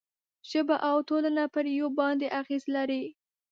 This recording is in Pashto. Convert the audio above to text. ژبه او ټولنه پر یو بل باندې اغېز لري.